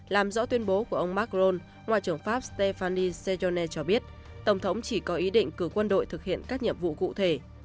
làm rõ tuyên bố của ông macron ngoại trưởng pháp stefani sejone cho biết tổng thống chỉ có ý định cử quân đội thực hiện các nhiệm vụ cụ thể